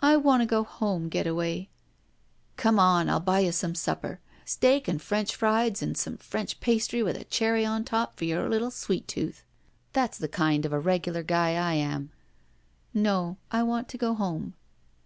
I want to go home, Getaway." Come on. I'll buy some supper. Steak and French frieds and some French pastry with a cherry on top for your little sweet tooth. That's the kind of a regular guy I am." No. I want to go home."